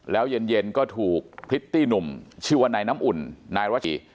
แล้วเย็นก็ถูกพริตตี้หนุ่มชื่อว่านายน้ำอุ่นนายรจิ